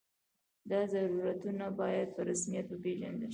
دا ضرورتونه باید په رسمیت وپېژندل شي.